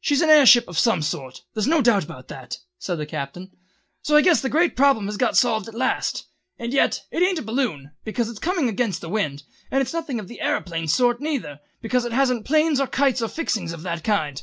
"She's an air ship of some sort, there's no doubt about that," said the Captain, "so I guess the great problem has got solved at last. And yet it ain't a balloon, because it's coming against the wind, and it's nothing of the æroplane sort neither, because it hasn't planes or kites or any fixings of that kind.